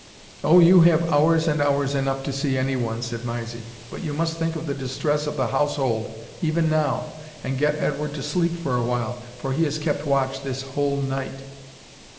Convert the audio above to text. "Oh, you have hours and hours enough to see any one," said Mysie; "but you must think of the distress of the household even now, and get Edward to sleep for a while, for he has kept watch this whole night."